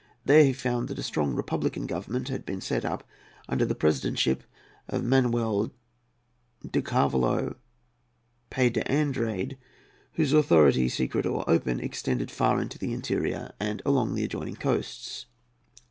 There he found that a strong republican Government had been set up under the presidentship of Manoel de Carvalho Pais d'Andrade, whose authority, secret or open, extended far into the interior and along the adjoining coasts.